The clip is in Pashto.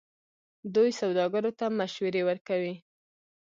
دوی سوداګرو ته مشورې ورکوي.